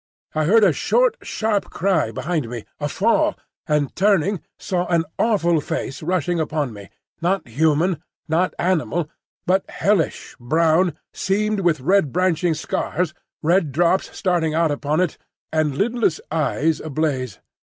I heard a short, sharp cry behind me, a fall, and turning saw an awful face rushing upon me,—not human, not animal, but hellish, brown, seamed with red branching scars, red drops starting out upon it, and the lidless eyes ablaze.